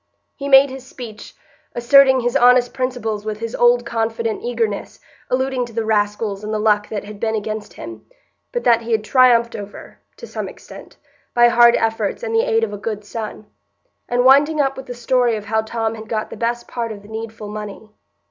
He made his speech, asserting his honest principles with his old confident eagerness, alluding to the rascals and the luck that had been against him, but that he had triumphed over, to some extent, by hard efforts and the aid of a good son; and winding up with the story of how Tom had got the best part of the needful money.